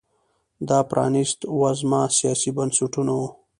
دا پرانیست وزمه سیاسي بنسټونه وو